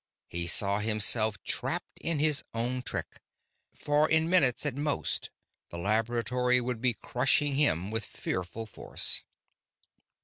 He saw himself trapped in his own trick, for in minutes at most the laboratory would be crushing him with fearful force.